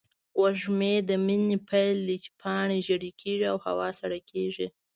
وږی د مني پیل دی، چې پاڼې ژېړې کېږي او هوا سړه کېږي.